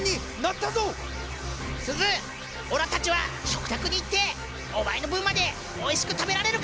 オラたちは食卓に行ってお前の分までおいしく食べられるからな！